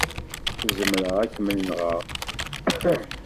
Zemreɣ ad kem-nɣeɣ.